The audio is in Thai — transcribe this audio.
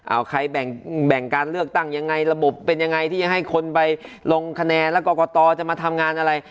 เอาใครแบ่งการเลือกตั้งยังไงระบบเป็นยังไงที่จะให้คนไปลงคะแนนแล้วกรกตจะมาทำงานอะไร